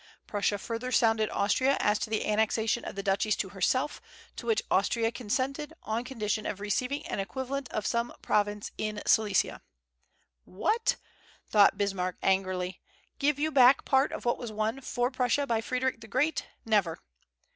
Prussia further sounded Austria as to the annexation of the duchies to herself, to which Austria consented, on condition of receiving an equivalent of some province in Silesia. "What!" thought Bismarck, angrily, "give you back part of what was won for Prussia by Frederic the Great? Never!"